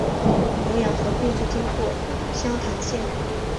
浏阳河并不经过湘潭县。